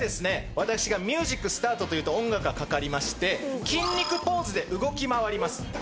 私が「ミュージックスタート」と言うと音楽がかかりまして筋肉ポーズで動き回ります。